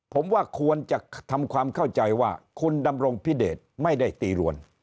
ผมว่าควรจะทำความเข้าใจว่าคุณดำรงพิเดชไม่ได้ตีรวน